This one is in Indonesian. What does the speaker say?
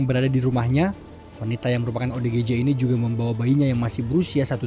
berada di rumahnya wanita yang merupakan odgj ini juga membawa bayinya yang masih berusia satu